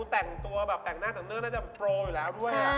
เหมือนการแต่งตัวแต่งหน้าเท่าหน้าน่าจะโปรอยู่แล้ว